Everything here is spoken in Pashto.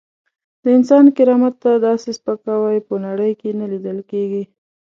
د انسان کرامت ته داسې سپکاوی په نړۍ کې نه لیدل کېږي.